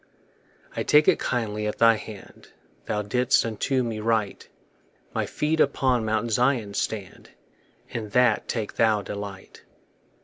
I take it kindly at thy hand Thou didst unto me write; My feet upon Mount Zion stand, In that take thou delight.